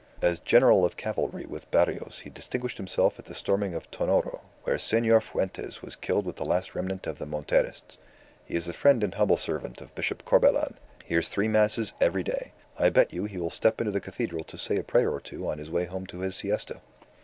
As general of cavalry with Barrios he distinguished himself at the storming of Tonoro, where Senor Fuentes was killed with the last remnant of the Monterists. He is the friend and humble servant of Bishop Corbelan. Hears three Masses every day. I bet you he will step into the cathedral to say a prayer or two on his way home to his siesta."